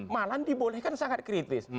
malah dibolehkan sangat kritis